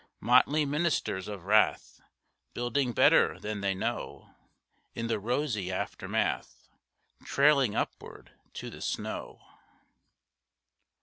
Motley ministers of wrath Building better than they know, In the rosy aftermath Trailing upward to the snow.